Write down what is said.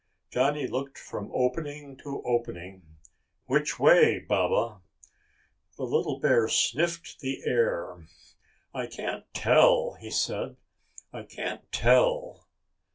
Johnny looked from opening to opening. "Which way, Baba?" The little bear sniffed the air. "I can't tell," he said. "I can't tell."